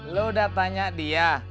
lo udah tanya dia